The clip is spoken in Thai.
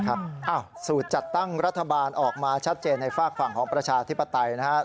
สูตรจัดตั้งรัฐบาลออกมาชัดเจนในฝากฝั่งของประชาธิปไตยนะครับ